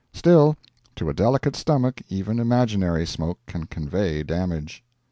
Still, to a delicate stomach even imaginary smoke can convey damage.